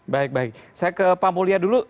baik baik saya ke pak mulya dulu